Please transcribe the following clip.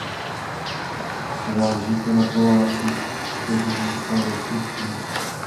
Záleží to na Polácích, kteří mají své vlastní pochybnosti.